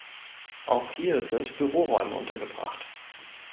Auch hier sind Büroräume untergebracht.